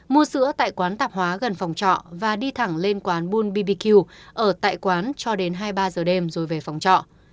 mua sữa tại quán tạp hóa gần phòng trọ và đi thẳng lên quán bulbyq ở tại quán cho đến hai mươi ba giờ đêm rồi về phòng trọ